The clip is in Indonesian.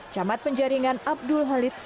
camat penjaringan abdul halid